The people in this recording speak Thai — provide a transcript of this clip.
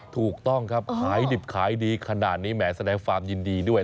ถูกต้องครับขายดิบขายดีขนาดนี้แหมแสดงความยินดีด้วย